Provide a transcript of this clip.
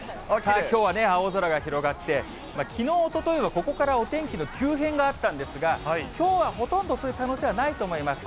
きょうはね、青空が広がって、きのう、おとといは、ここからお天気の急変があったんですが、きょうはほとんどそういう可能性はないと思います。